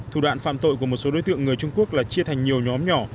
thủ đoạn phạm tội của một số đối tượng người trung quốc là chia thành nhiều nhóm nhỏ